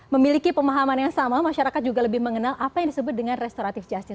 memiliki pemahaman yang sama masyarakat juga lebih mengenal apa yang disebut dengan restoratif justice